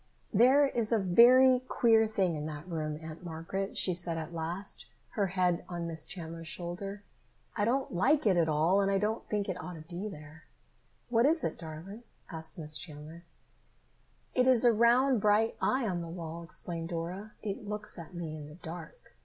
"There is a very queer thing in that room, Aunt Margaret," she said at last, her head on Miss Chandler's shoulder. "I don't like it at all and I don't think it ought to be there." "What is it, darling?" asked Miss Chandler. "It is a round bright eye on the wall," explained Dora. "It looks at me in the dark.